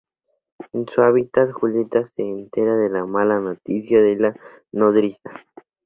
En su habitación, Julieta se entera de la mala noticia por la Nodriza.